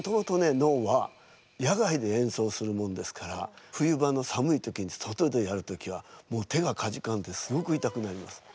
能は野外で演奏するもんですから冬場の寒い時に外でやる時はもう手がかじかんですごく痛くなります。